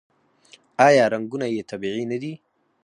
آیا رنګونه یې طبیعي نه دي؟